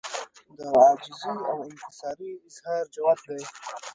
د عاجزۍاو انکسارۍ اظهار جوت دی